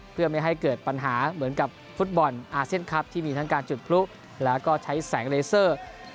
เพื่อไม่ให้เกิดปัญหาเหมือนกับฟุตบอลอาเซียนคลับที่มีทั้งการจุดพลุแล้วก็ใช้แสงเลเซอร์